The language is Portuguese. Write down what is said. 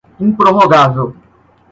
improrrogável